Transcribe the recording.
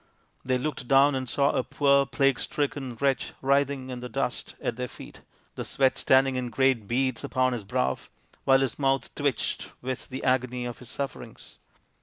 " They looked down and saw a poor plague stricken wretch writhing in the dust at their feet, the sweat standing in great beads upon his brow, while his mouth twitched with the agony of his sufferings.